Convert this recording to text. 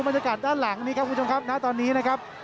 บรรยากาศด้านหลังนี้ครับคุณผู้ชมครับณตอนนี้นะครับ